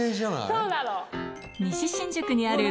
そうなの。